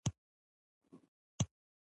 شاید هېڅ وخت به ځوان نه وي پوه شوې!.